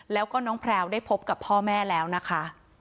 แล้วก็น้องแพลวได้พบกับพ่อแม่แล้วนะคะ